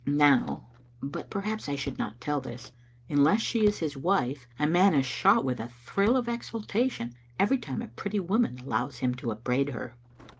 Now (but perhaps I should not tell this) unless she is his wife a man is shot with a thrill of exultation every time a pretty woman allows him to upbraid her.